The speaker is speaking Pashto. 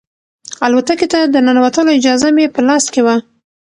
الوتکې ته د ننوتلو اجازه مې په لاس کې وه.